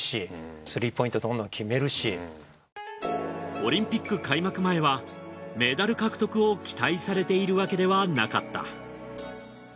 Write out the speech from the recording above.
オリンピック開幕前はメダル獲得を期待されているわけではなかった。